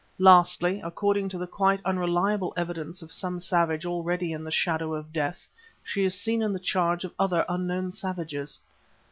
Lastly, according to the quite unreliable evidence of some savage already in the shadow of death, she is seen in the charge of other unknown savages.